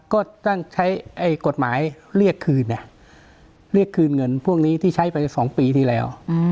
ก็ตั้งใช้กฎหมายเรียกคืนเรียกคืนเงินพวกนี้ที่ใช้ไป๒ปีที่แล้ว